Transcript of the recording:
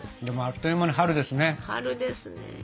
でもあっという間に春ですね。